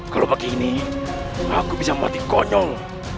kalau begini aku bisa mati konyol